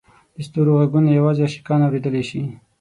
د ستورو ږغونه یوازې عاشقان اورېدلای شي.